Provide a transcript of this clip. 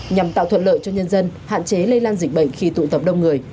nhằm tạo thuận lợi cho nhân dân hạn chế lây lan dịch bệnh khi tụ tập đông người